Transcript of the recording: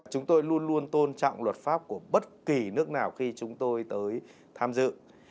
chúng tôi luôn luôn tôn trọng luật pháp của bất kỳ nước nào khi chúng tôi tới tham dự